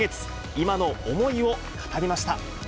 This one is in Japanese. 今の思いを語りました。